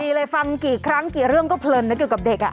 เลยฟังกี่ครั้งกี่เรื่องก็เพลินนะเกี่ยวกับเด็ก